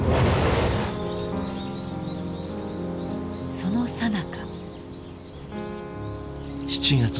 そのさなか。